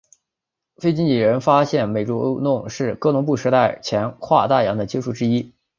腓尼基人发现美洲论是哥伦布时代前的跨大洋接触的之一。